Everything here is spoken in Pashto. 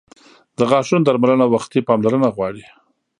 • د غاښونو درملنه وختي پاملرنه غواړي.